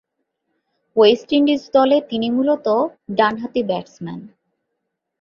West Indies দলে তিনি মূলতঃ ডানহাতি ব্যাটসম্যান।